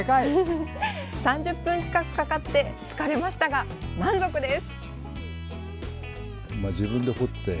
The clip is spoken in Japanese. ３０分近くかかって疲れましたが、満足です！